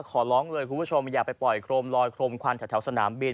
ขอร้องเลยคุณผู้ชมอย่าไปปล่อยโครมลอยโครมควันแถวสนามบิน